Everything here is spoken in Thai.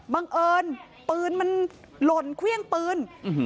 บังเอิญปืนมันหล่นเครี่ยงปืนอุฮือ